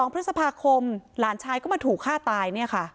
๒พฤษภาคมหลานชายก็มาถูกฆ่าตาย